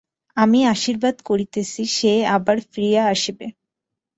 আমি আশীর্বাদ করিতেছি, সে আবার ফিরিয়া আসিবে।